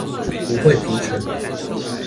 不會築城